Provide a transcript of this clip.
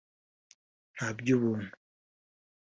ntaby’ubuntu